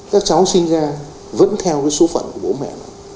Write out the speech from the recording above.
các cháu sinh ra vẫn theo cái số phận của bố mẹ